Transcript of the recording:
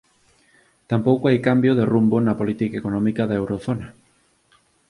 Tampouco hai cambio de rumbo na política económica da Eurozona.